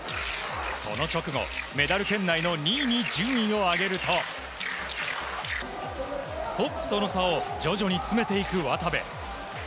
その直後、メダル圏内の２位に順位を上げるとトップとの差を徐々に詰めていく渡部。